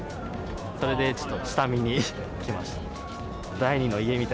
それでちょっと下見に来ました。